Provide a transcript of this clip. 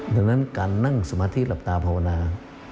ดังนั้นการนั่งสมาธิหลับตาภาวนา